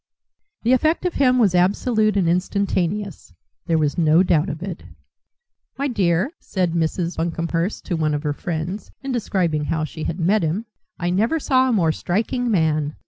The effect of him was absolute and instantaneous; there was no doubt of it. "My dear," said Mrs. Buncomhearst to one of her friends, in describing how she had met him, "I never saw a more striking man.